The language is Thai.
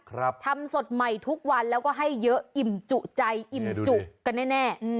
ทำสดใหม่ทุกวันแล้วก็ให้เยอะอิ่มจุใจอิ่มจุกันแน่แน่อืม